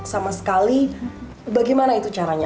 sama sekali bagaimana itu caranya